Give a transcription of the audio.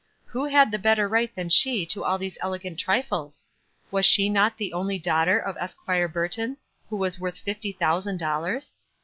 Who had a better right than she to all those elegant trifles? Was she not the only daughter of Enquire Burton, who was worth fifty thousand dollars?